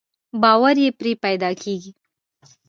باور يې پرې پيدا کېږي.